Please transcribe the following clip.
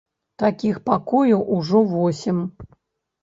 Такіх пакояў ужо восем.